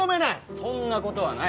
そんなことはない